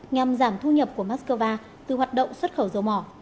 nhằm giảm thu nhập của moscow từ hoạt động xuất khẩu dầu mỏ